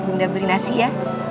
bunda beli nasi ya